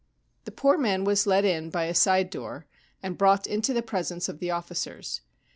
The poor man was led in by a side door and brought into the presence of the officers.